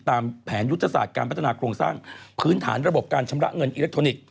ตามแผนยุทธศาสตร์การพัฒนาโครงสร้างพื้นฐานระบบการชำระเงินอิเล็กทรอนิกส์